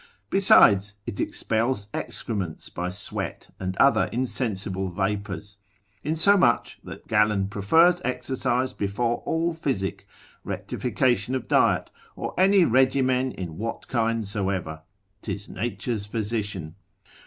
Besides, it expels excrements by sweat and other insensible vapours; insomuch, that Galen prefers exercise before all physic, rectification of diet, or any regimen in what kind soever; 'tis nature's physician.